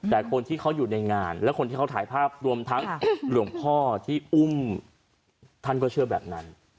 แต่คนที่เขาอยู่ในงานและคนที่เขาถ่ายภาพรวมทั้งหลวงพ่อที่อุ้มท่านก็เชื่อแบบนั้น